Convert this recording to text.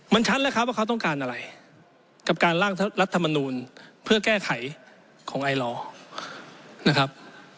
มันชัดแล้วครับว่าเขาต้องการอะไรกับการล่างรัฐมนูลเพื่อแก้ไขของไอลอร์นะครับ